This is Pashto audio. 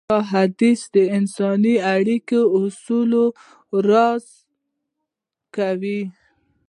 دا حديث د انساني اړيکو اصول رازده کوي.